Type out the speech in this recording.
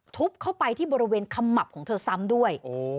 ทุบเข้าไปที่บริเวณขมับของเธอซ้ำด้วย